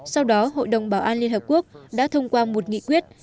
sau đó hội đồng bảo an liên hợp quốc đã thông qua một nghị quyết